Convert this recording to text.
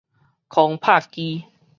空拍機